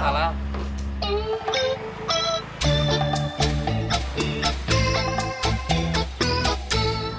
tidak ada kang dadang